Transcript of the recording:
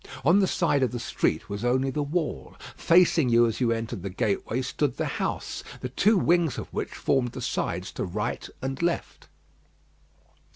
On the side of the street was only the wall; facing you as you entered the gateway stood the house, the two wings of which formed the sides to right and left.